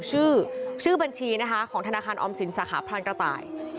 ชื่อบัญชีของธนาคารออมสินสหพพลังกระต่าย